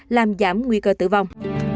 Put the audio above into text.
làm giảm nguy cơ tử vong